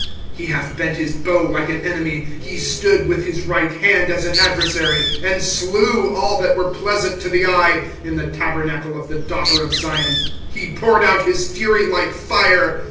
25:002:004 He hath bent his bow like an enemy: he stood with his right hand as an adversary, and slew all that were pleasant to the eye in the tabernacle of the daughter of Zion: he poured out his fury like fire.